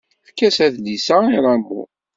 Efk-as adlis-a i Ramu.